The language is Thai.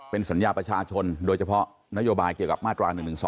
เป็นสัญญาประชาชนโดยเฉพาะนโยบายเกี่ยวกับมาตรา๑๑๒